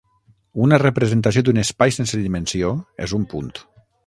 Una representació d'un espai sense dimensió, és un punt.